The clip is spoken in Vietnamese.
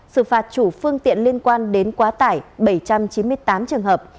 xử phạt chủ phương tiện liên quan đến quá tải bảy trăm chín mươi tám trường hợp